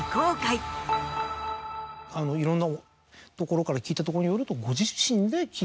いろんなところから聞いたところによると。